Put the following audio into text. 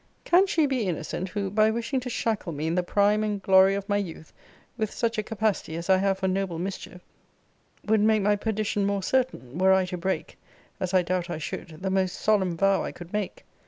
Can she be innocent, who, by wishing to shackle me in the prime and glory of my youth, with such a capacity as I have for noble mischief,* would make my perdition more certain, were I to break, as I doubt I should, the most solemn vow I could make?